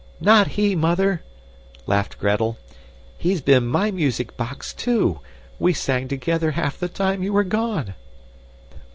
"Not he, Mother," laughed Gretel. "He's been MY music box, too. We sang together half the time you were gone."